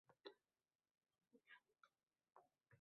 — Chin kommunist so‘zim.